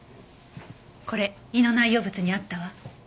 これ胃の内容物にあったわ。